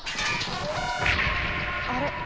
あれ？